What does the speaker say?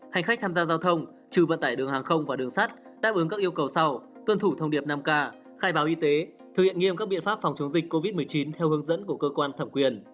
hành khách tham gia giao thông trừ vận tải đường hàng không và đường sắt đáp ứng các yêu cầu sau tuân thủ thông điệp năm k khai báo y tế thực hiện nghiêm các biện pháp phòng chống dịch covid một mươi chín theo hướng dẫn của cơ quan thẩm quyền